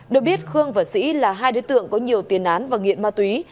được biết khương và sĩ là hai đối tượng có nhiều tiền án và nghiện ma túy